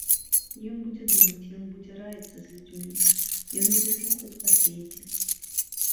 Ён будзе думаць, ён будзе раіцца з людзьмі, ён будзе слухаць па свеце.